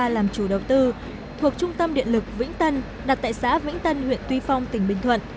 làm chủ đầu tư thuộc trung tâm điện lực vĩnh tân đặt tại xã vĩnh tân huyện tuy phong tỉnh bình thuận